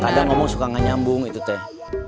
kadang ngomong suka nggak nyambung itu teh